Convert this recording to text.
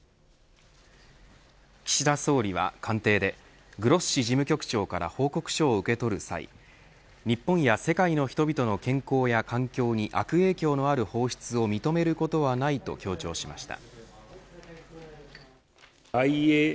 岸田総理は官邸でグロッシ事務局長から報告書を受け取る際日本や世界の人々の健康や環境に悪影響のある放出を認めることはないと強調しました。